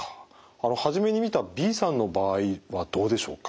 あの初めに見たＢさんの場合はどうでしょうか？